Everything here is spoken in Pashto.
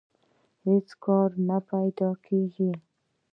هېڅ کار نه پیدا کېږي